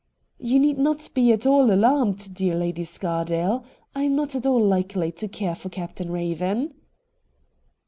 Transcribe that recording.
' You need not be at all alarmed, dear Lady Scardale. I am not at all likely to care for Captain Eaven.'